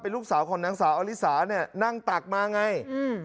ลูกสาวของนางสาวอลิสาเนี่ยนั่งตักมาไงอืม